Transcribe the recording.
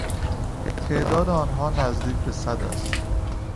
تعداد آنها نزدیک به صد است.